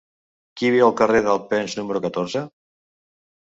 Qui viu al carrer d'Alpens número catorze?